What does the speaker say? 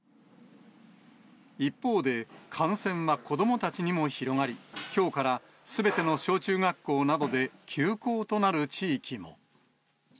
一方で、感染は子どもたちにも広がり、きょうからすべての小中学校などで休校となる地域も。